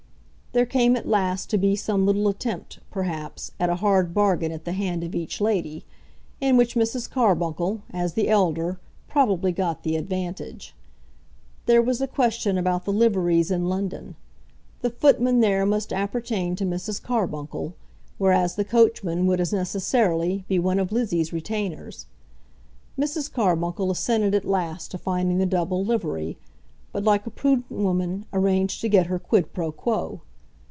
There came at last to be some little attempt, perhaps, at a hard bargain at the hand of each lady, in which Mrs. Carbuncle, as the elder, probably got the advantage. There was a question about the liveries in London. The footman there must appertain to Mrs. Carbuncle, whereas the coachman would as necessarily be one of Lizzie's retainers. Mrs. Carbuncle assented at last to finding the double livery, but, like a prudent woman, arranged to get her quid pro quo.